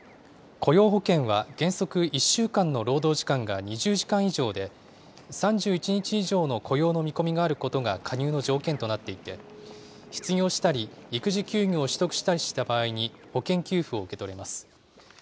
雇用保険は原則１週間の労働時間が２０時間以上で、３１日以上の雇用の見込みがあることが加入の条件となっていて、失業したり、育児休業を取得したりした場合に保険給付を受け取れます。